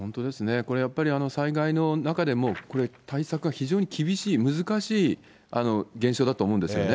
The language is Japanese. これやっぱり、災害の中でもこれ、対策が非常に厳しい、難しい現象だと思うんですよね。